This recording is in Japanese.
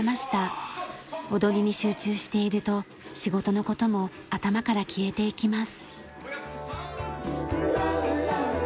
踊りに集中していると仕事の事も頭から消えていきます。